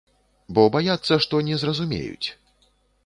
Бо баяцца, што не зразумеюць.